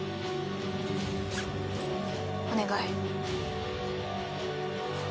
お願い。